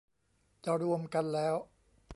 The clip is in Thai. จะรวมกันแล้ว